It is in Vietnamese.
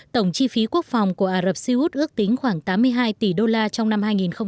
tổng chi phí quốc phòng của ả rập xê út ước tính khoảng tám mươi hai tỷ đô la trong năm hai nghìn hai mươi